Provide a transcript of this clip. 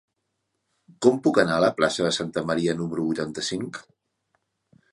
Com puc anar a la plaça de Santa Maria número vuitanta-cinc?